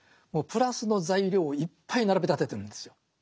もうプラスの材料をいっぱい並べ立ててるんですよ。